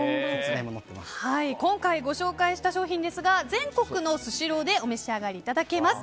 今回、ご紹介した商品ですが全国のスシローでお召し上がりいただけます。